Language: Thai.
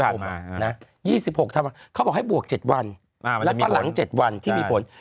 ๒๖ธันวาเขาบอกให้บวก๗วันแล้วก็หลัง๗วันที่มีผล